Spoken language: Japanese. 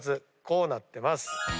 こうなってます。